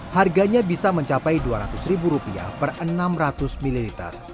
harganya bisa mencapai dua ratus ribu rupiah per enam ratus ml